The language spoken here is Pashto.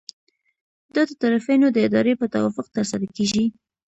دا د طرفینو د ارادې په توافق ترسره کیږي.